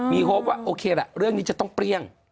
มีโฮปว่าโอเคละเรื่องนี้จะต้องเปรี้ยง